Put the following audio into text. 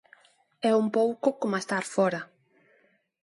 É un pouco coma estar fóra.